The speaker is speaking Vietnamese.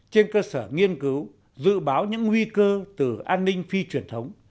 trên cơ sở nghiên cứu dự báo những nguy cơ từ an ninh phi truyền thống